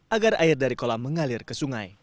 agar air dari kolam mengalir ke sungai